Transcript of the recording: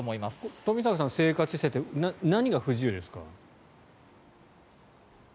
冨坂さん、生活していて何が不自由ですか？